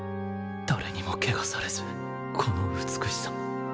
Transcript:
誰にも汚されずこの美しさ